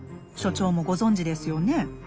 所長もご存じですよね？